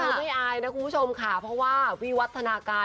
คือไม่อายนะคุณผู้ชมค่ะเพราะว่าวิวัฒนาการ